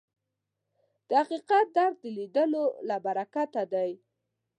د حقیقت درک د لیدلو له برکته دی